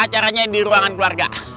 acaranya di ruangan keluarga